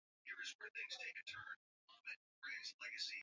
aweka saini mkataba na kampuni ya regional